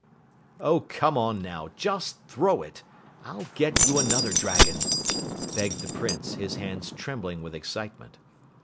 "Oh, come on now, just throw it. I'll get you another dragon," begged the Prince, his hands trembling with excitement.